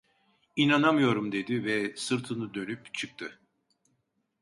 İnanamıyorum dedi ve sırtını dönüp çıktı.